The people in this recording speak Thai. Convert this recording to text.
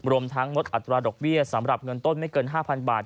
รวมทั้งลดอัตราดอกเบี้ยสำหรับเงินต้นไม่เกิน๕๐๐บาท